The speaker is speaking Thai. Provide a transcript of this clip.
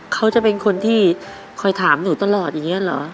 เขาจะเป็นคนที่คอยถามหนูตลอดอย่างนี้เหรอ